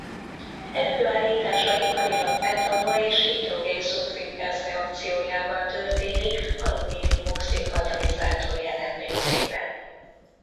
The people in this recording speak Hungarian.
Előállítása iparilag metanol és hidrogén-szulfid gáz reakciójával történik alumínium-oxid katalizátor jelenlétében.